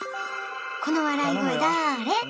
この笑い声だれ？